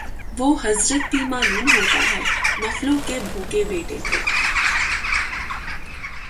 وہ حضرت بھی معلوم ہوتا ہے نفلوں کے بھوکے بیٹھے تھے